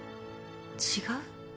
違う？